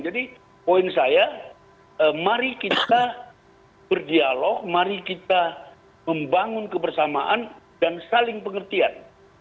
jadi poin saya mari kita berdialog mari kita membangun kebersamaan dan saling pengertian